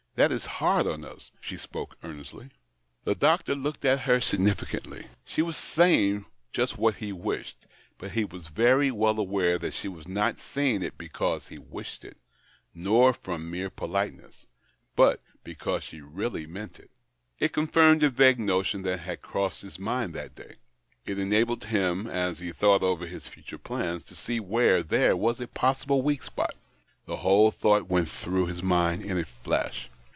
That is hard on us." She spoke earnestly. The doctor looked at her significantly. She was saying just what he wished, but he was very well aware that she was not saying it because he wished it, nor from mere politeness, but because she really meant it. It confirmed a vague notion that had crossed his mind that day. It enabled him, as he thought over his future plans, to see where there was a possible weak spot. The whole thought went through his mind in a flash.